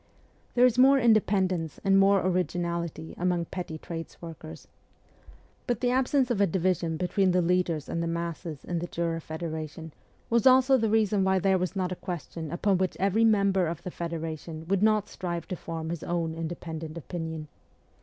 There is more independence and more originality among petty trades' workers. But the absence of a division between the leaders and the masses in the Jura Federation was also the reason why there was not a question upon which every member of the federa tion would not strive to form his own independent opinion.